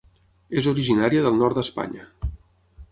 És originària del nord d'Espanya.